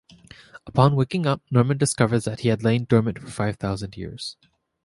Upon waking up, Norman discovers that he had lain dormant for five thousand years.